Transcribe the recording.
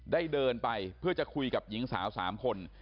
เดินไปเพื่อจะคุยกับหญิงสาว๓คน